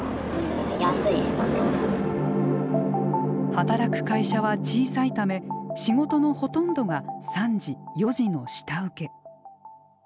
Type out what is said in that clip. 働く会社は小さいため仕事のほとんどが３次４次の下請け。